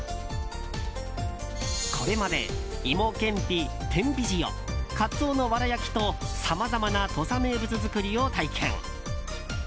これまで芋けんぴ、天日塩カツオのわら焼きとさまざまな土佐名物作りを体験。